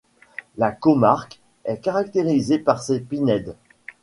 La comarque est caractérisée par ses pinèdes.